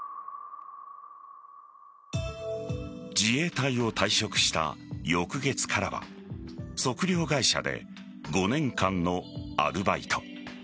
自衛隊を退職した翌月からは測量会社で５年間のアルバイト。